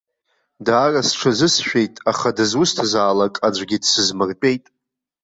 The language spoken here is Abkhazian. Даара сҽысшәеит, аха дызусҭазаалак аӡәгьы дсызмыртәеит.